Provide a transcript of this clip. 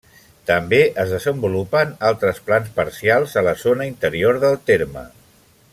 També es desenvolupen altres plans parcials a la zona interior del terme.